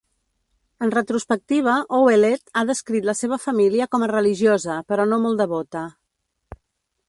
En retrospectiva, Ouellet ha descrit la seva família com a religiosa però no molt devota.